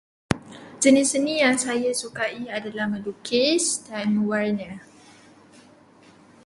Jenis seni yang saya sukai ialah melukis dan mewarna.